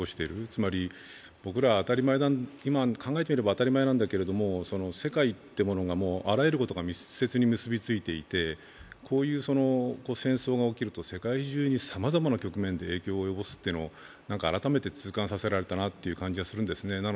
つまり、考えれば当たり前なんだけど、世界ってものがあらゆることが密接に結びついていてこういう戦争が起きると世界中にさまざまな局面で影響を及ぼすというのを改めて痛感させられたという気がするんですね。